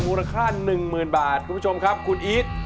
มูลค่า๑๐๐๐บาทคุณผู้ชมครับคุณอีท